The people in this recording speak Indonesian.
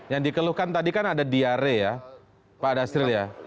yang dikeluhkan tadi kan ada diare ya pak dasril ya